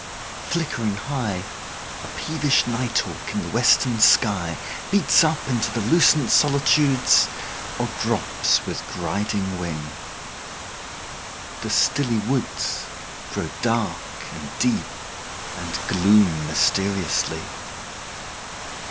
Flickering high,5A peevish night hawk in the western sky6Beats up into the lucent solitudes,7Or drops with griding wing. The stilly woods8Grow dark and deep, and gloom mysteriously.